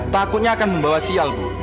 takutnya akan membawa sial bu